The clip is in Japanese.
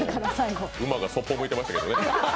馬がそっぽ向いてましたけどね。